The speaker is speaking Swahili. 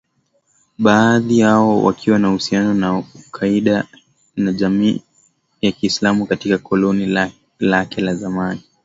baadhi yao wakiwa na uhusiano na al Qaeda na jamii ya kiislamu katika koloni lake la zamani